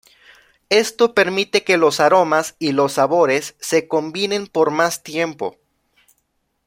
Esto permite que los aromas y los sabores se combinen por más tiempo.